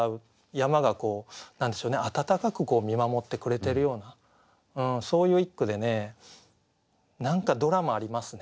山がこう何でしょうね温かく見守ってくれてるようなそういう一句でね何かドラマありますね。